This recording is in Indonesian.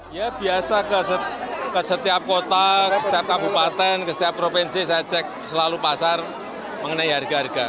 ya biasa ke setiap kota ke setiap kabupaten ke setiap provinsi saya cek selalu pasar mengenai harga harga